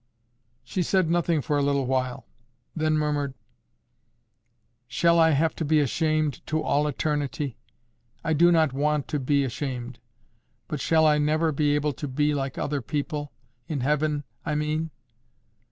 She said nothing for a little while; then murmured, "Shall I have to be ashamed to all eternity? I do not want not to be ashamed; but shall I never be able to be like other people—in heaven I mean?"